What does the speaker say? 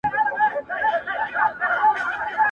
پر سجدوی وي زیارتو کي د پیرانو،